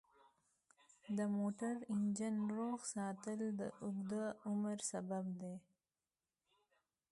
د موټر انجن روغ ساتل د اوږده عمر سبب دی.